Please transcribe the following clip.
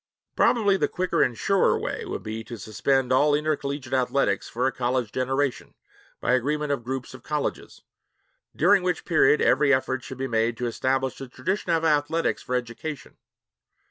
Probably the quicker and surer way would be to suspend all intercollegiate athletics for a college generation by agreement of groups of colleges during which period every effort should be made to establish the tradition of athletics for education.